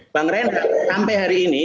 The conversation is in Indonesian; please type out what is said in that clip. bang reinhardt sampai hari ini